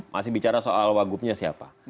masih bicara soal wagubnya siapa